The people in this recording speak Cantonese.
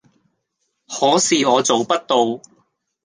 可是我做不到